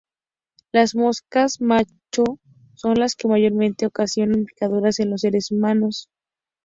Las moscas macho son las que mayormente ocasionan picaduras en los seres humanos.